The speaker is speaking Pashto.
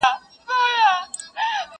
دا د افغان د لوی ټبر مېنه ده،